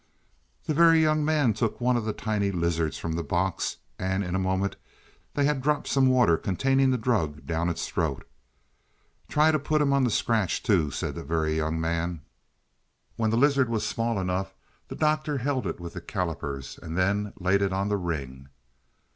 The Very Young Man took one of the tiny lizards from the box, and in a moment they had dropped some water containing the drug down its throat. "Try to put him on the scratch, too," said the Very Young Man. When the lizard was small enough the Doctor held it with the callipers and then laid it on the ring.